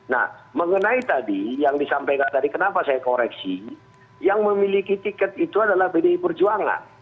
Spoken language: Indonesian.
nah mengenai tadi yang disampaikan tadi kenapa saya koreksi yang memiliki tiket itu adalah pdi perjuangan